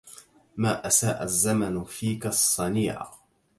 ما أساء الزمان فيك الصنيعا